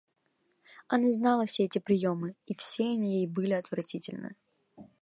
Она знала все эти приемы, и все они ей были отвратительны.